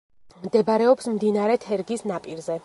მდებარეობს მდინარე თერგის ნაპირზე.